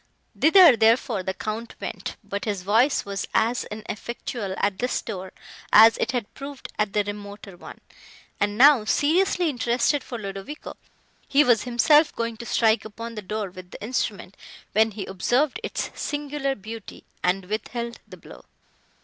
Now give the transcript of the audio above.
Thither, therefore, the Count went, but his voice was as ineffectual at this door as it had proved at the remoter one; and now, seriously interested for Ludovico, he was himself going to strike upon the door with the instrument, when he observed its singular beauty, and withheld the blow.